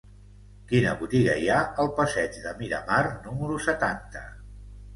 Quina botiga hi ha al passeig de Miramar número setanta?